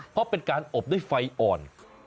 เพราะเป็นการอบด้วยไฟอ่อน